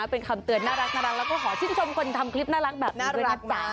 เป็นคำเตือนน่ารักแล้วก็ขอชื่นชมคนทำคลิปน่ารักแบบน่ารักจ๊ะ